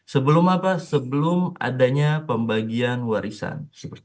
sebelum apa sebelum adanya pembagian warisan